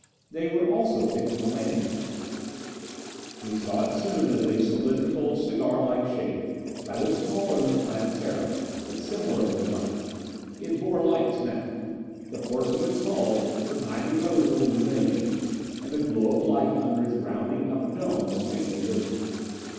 They were also picking a landing place. We saw it soon as a cylindrical, cigarlike shape, rather smaller than the Planetara, but similar of design. It bore lights now. The ports of its hull were tiny rows of illumination, and the glow of light under its rounding upper dome was faintly visible.